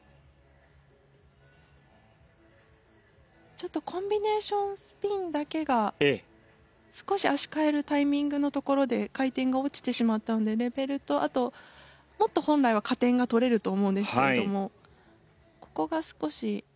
ちょっとコンビネーションスピンだけが少し足換えるタイミングのところで回転が落ちてしまったのでレベルとあともっと本来は加点が取れると思うんですけれどもここが少し。